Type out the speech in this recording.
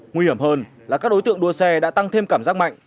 nguy hiểm hơn là các đối tượng đua xe đã tăng thêm cảm giác mạnh